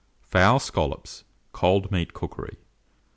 FOWL SCOLLOPS (Cold Meat Cookery).